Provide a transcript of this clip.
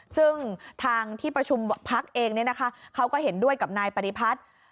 ซึ่งทางที่ประชุมพักเองเขาก็เห็นด้วยกับนายปฏิพัฒน์